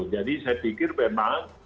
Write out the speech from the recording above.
jadi saya pikir memang